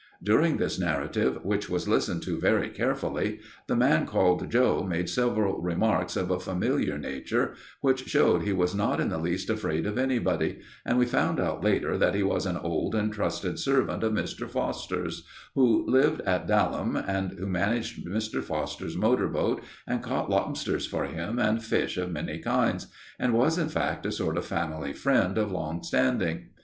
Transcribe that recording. During this narrative, which was listened to very carefully, the man called Joe made several remarks of a familiar nature, which showed he was not in the least afraid of anybody, and we found out later that he was an old and trusted servant of Mr. Foster's, who lived at Daleham, and who managed Mr. Foster's motorboat, and caught lobsters for him and fish of many kinds, and was, in fact, a sort of family friend of long standing.